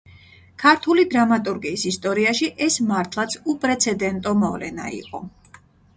ქართული დრამატურგიის ისტორიაში ეს მართლაც უპრეცედენტო მოვლენა იყო.